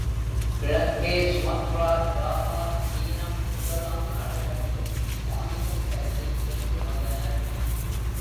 கிழக்கே Sumatra, Java, சீனம் முதலாம் நாடுகட்கும் வாணிகம் கருதிச் சென்று வந்தனர்.